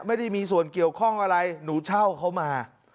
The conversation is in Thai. ไม่ได้มีส่วนเกี่ยวข้องอะไรหนูเช่าเขามา